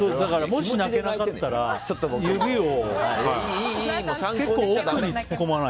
もし泣けなかったら、指を。